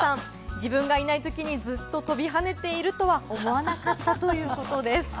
自分がいないときに、ずっと飛び跳ねているとは思わなかったということです。